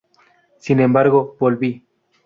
Sin embargo, volví.